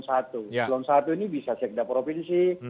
selon satu ini bisa sekedar provinsi